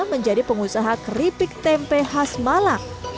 menjadi pengusaha keripik tempe khas malang